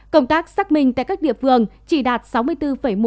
công tác xác minh tại các địa phương chỉ đạt sáu mươi bốn một